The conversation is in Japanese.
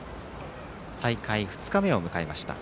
大会２日目を迎えました